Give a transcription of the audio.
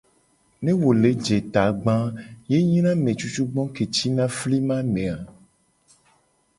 Ne wo le je tagba a, ye nyina ame cucugbo ke cina flima me a.